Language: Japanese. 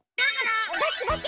バスケバスケ！